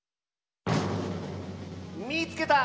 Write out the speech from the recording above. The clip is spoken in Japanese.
「みいつけた！